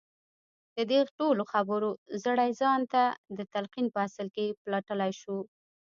د دې ټولو خبرو زړی ځان ته د تلقين په اصل کې پلټلای شو.